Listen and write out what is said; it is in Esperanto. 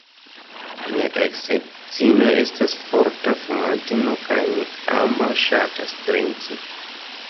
Mia eksedzino estas forta fumantino kaj ni ambaŭ ŝatas drinki.